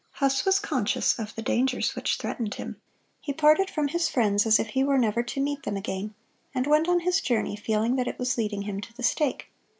Huss was conscious of the dangers which threatened him. He parted from his friends as if he were never to meet them again, and went on his journey feeling that it was leading him to the stake.